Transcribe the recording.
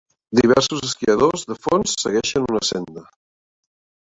Diversos esquiadors de fons segueixen una senda.